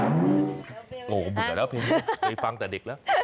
โอ้โหแล้วเพลงนี้เคยฟังแต่เด็กแล้ว